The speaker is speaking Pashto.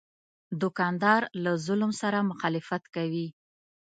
دوکاندار له ظلم سره مخالفت کوي.